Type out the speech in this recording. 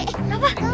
gak mau kali